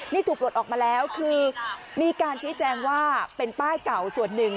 นี่ถูกปลดออกมาแล้วคือมีการชี้แจงว่าเป็นป้ายเก่าส่วนหนึ่ง